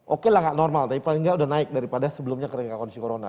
oke lah gak normal tapi paling gak udah naik daripada sebelumnya keringat kondisi corona